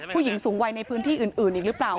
ผู้หญิงสูงวัยในพื้นที่อื่นอีกหรือเปล่า